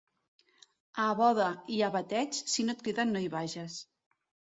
A boda i a bateig, si no et criden no hi vages.